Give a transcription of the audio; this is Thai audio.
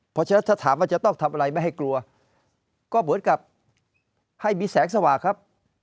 เพราะฉะนั้นถ้าถามว่าจะต้องทำอะไรไม่ให้กลัวก็เหมือนกับให้มีแสงสว่างครับ